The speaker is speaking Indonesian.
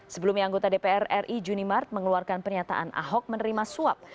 sebelumnya anggota dpr ri juni mart mengeluarkan pernyataan ahok menerima suap